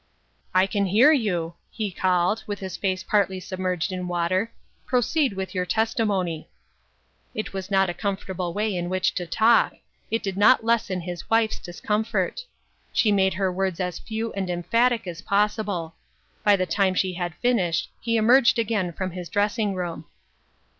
"I can hear you, " he called, with his face partly submerged in water ;" proceed with your testi mony." It was not a comfortable way in which to talk ; "FOREWARNED AND "FOREARMED. 6 1 it did not lessen his wife's discomfort. She made her words as few and emphatic as possible. By the time she had finished, he emerged again from his dressing room.